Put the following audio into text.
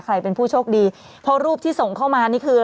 ใครเป็นผู้โชคดีเพราะรูปที่ส่งเข้ามานี่คือ